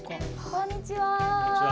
こんにちは。